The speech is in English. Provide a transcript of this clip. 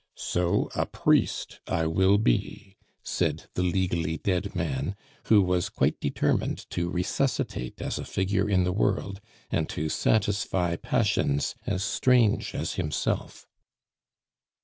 "So a priest I will be," said the legally dead man, who was quite determined to resuscitate as a figure in the world, and to satisfy passions as strange as himself.